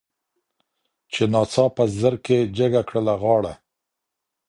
چي ناڅاپه زرکي جګه کړله غاړه